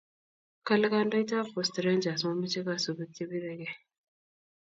Kale kandoindet ab Post rangers momache kasubik che pirekee